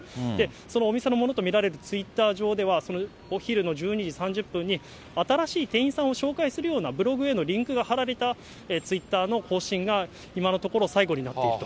そのお店のものと見られるツイッター上では、そのお昼の１２時３０分に、新しい店員さんを紹介するようなブログへのリンクが貼られたツイッターの更新が、今のところ最後になっていると。